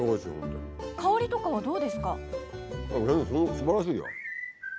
すばらしいよ。